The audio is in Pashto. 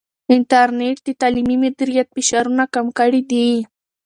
انټرنیټ د تعلیمي مدیریت فشارونه کم کړي دي.